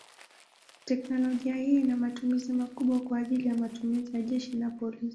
Teknolojia hii ina matumizi makubwa kwa ajili matumizi ya jeshi na polisi.